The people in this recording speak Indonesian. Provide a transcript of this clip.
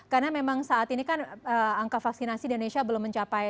karena memang saat ini kan angka vaksinasi di indonesia belum mencapai